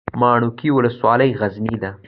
ماڼوګي ولسوالۍ غرنۍ ده؟